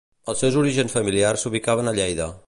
Els seus orígens familiars s'ubicaven a Lleida.